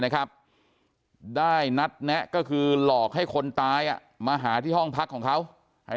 นะครับได้นัดแนะก็คือหลอกให้คนตายอ่ะมาหาที่ห้องพักของเขาให้